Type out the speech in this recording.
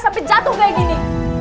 sampai jatuh kayak gini